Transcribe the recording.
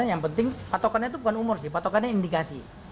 yang penting patokannya itu bukan umur sih patokannya indikasi